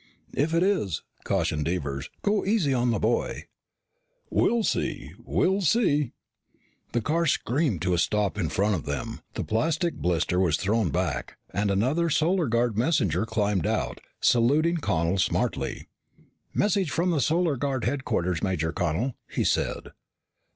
"If it is," cautioned Devers, "go easy on the boy." "We'll see, we'll see." The car screamed to a stop in front of them, the plastic blister was thrown back, and another Solar Guard messenger climbed out, saluting Connel smartly. "Message from Solar Guard headquarters, Major Connel," he said.